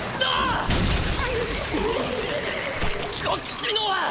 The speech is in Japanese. こっちのは。